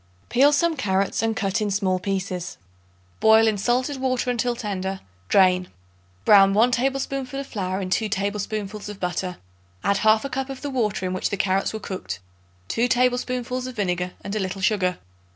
Peel some carrots and cut in small pieces. Boil in salted water until tender; drain. Brown 1 tablespoonful of flour in 2 tablespoonfuls of butter; add 1/2 cup of the water in which the carrots were cooked, 2 tablespoonfuls of vinegar and a little sugar.